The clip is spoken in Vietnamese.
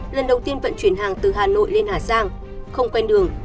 lần đầu tiên vận chuyển hàng từ hà nội lên hà giang không quen đường